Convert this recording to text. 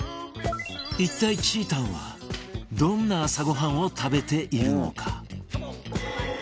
一体ちーたんはどんな朝ご飯を食べているのか？